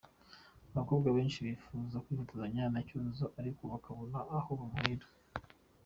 Abakobwa benshi bifuzaga kwifotozanya na Cyuzuzo ariko bakabura aho bamuhera.